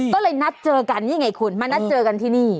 ก็เลยนัดเจอกันนี่ไงคุณมานัดเจอกันที่นี่